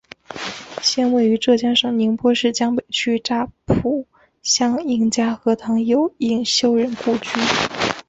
现位于浙江省宁波市江北区乍浦乡应家河塘有应修人故居。